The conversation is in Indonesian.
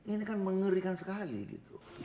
ini kan mengerikan sekali